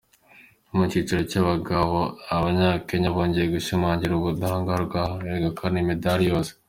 Mu cyiciro cy’abagabo, abanya Kenya bongeye gushimangira ubudahangarwa begukana imidali yose.